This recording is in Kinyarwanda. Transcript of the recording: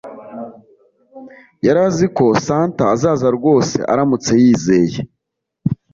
yari azi ko santa azaza rwose aramutse yizeye